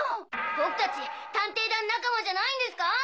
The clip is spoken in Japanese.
僕たち探偵団仲間じゃないんですか！？